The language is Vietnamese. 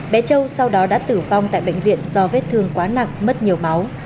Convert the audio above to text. bé châu sau đó đã tử vong tại bệnh viện do vết thương quá nặng mất nhiều máu